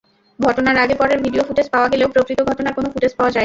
ঘটনার আগে-পরের video footage পাওয়া গেলেও প্রকৃত ঘটনার কোনো ফুটেজ পাওয়া যায়নি।